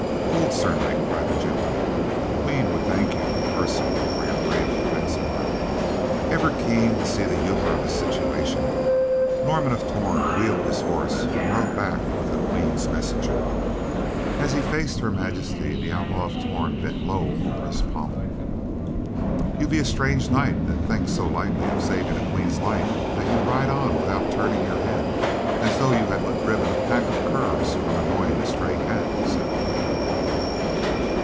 "Hold, Sir Knight," cried the gentleman, "the Queen would thank you in person for your brave defence of her." Ever keen to see the humor of a situation, Norman of Torn wheeled his horse and rode back with the Queen's messenger. As he faced Her Majesty, the Outlaw of Torn bent low over his pommel. "You be a strange knight that thinks so lightly on saving a queen's life that you ride on without turning your head, as though you had but driven a pack of curs from annoying a stray cat," said the Queen.